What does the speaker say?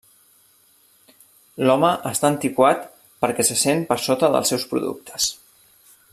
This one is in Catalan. L'home està antiquat perquè se sent per sota dels seus productes.